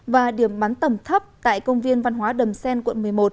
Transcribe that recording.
và điểm bắn tầm thấp tại công viên văn hóa đầm xen quận một mươi một